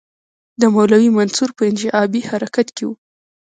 د مولوي منصور په انشعابي حرکت کې وو.